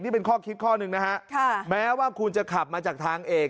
นี่เป็นข้อคิดข้อหนึ่งนะฮะแม้ว่าคุณจะขับมาจากทางเอก